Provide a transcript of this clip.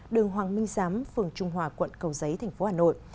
đường hoàng minh giám phường trung hòa quận cầu giấy tp hà nội